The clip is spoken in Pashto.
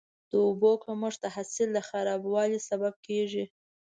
د اوبو کمښت د حاصل د خرابوالي سبب کېږي.